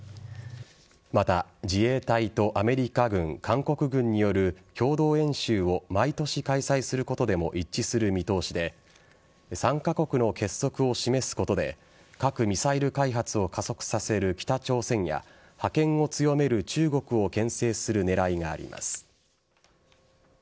また、自衛隊とアメリカ軍韓国軍による共同演習を毎年開催することでも一致する見通しで３カ国の結束を示すことで核・ミサイル開発を加速させる北朝鮮や覇権を強める中国をけん制する狙いがあります。